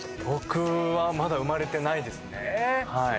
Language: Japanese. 僕はまだ生まれてないですね。